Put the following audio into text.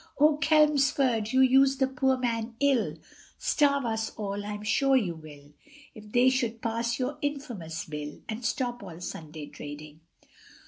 Oh! Chelmsford, you use the poor man ill, Starve us all, I'm sure you will, If they should pass your infamous Bill, And stop all Sunday trading.